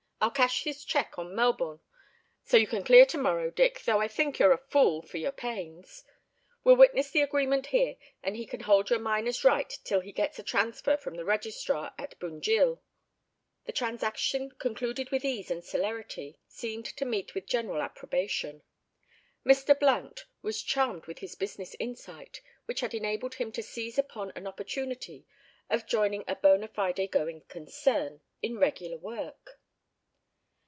I'll cash his cheque on Melbourne, so you can clear to morrow, Dick, though I think you're a fool for your pains. We'll witness the agreement here, and he can hold your miner's right till he gets a transfer from the Registrar at Bunjil." This transaction, concluded with ease and celerity, seemed to meet with general approbation. Mr. Blount was charmed with his business insight, which had enabled him to seize upon an opportunity of joining a "bona fide going concern" in regular work.